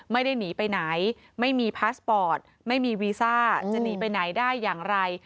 ไม่ได้หนีไปไหนไม่มีพาสปอร์ตไม่มีวีซ่าจะหนีไปไหนได้อย่างไร